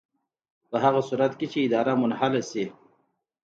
په هغه صورت کې چې اداره منحله شي.